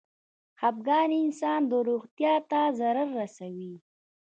خپګان انسان د روغتيا ته ضرر رسوي.